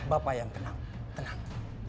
bapak yang tenang tenang